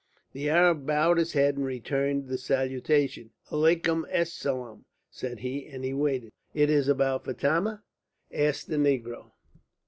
The Arab bowed his head and returned the salutation. "Aleikum es salam," said he, and he waited. "It is Abou Fatma?" asked the negro.